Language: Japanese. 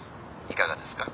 「いかがですか？